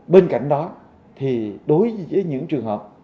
bên cạnh đó thì đối với những trường hợp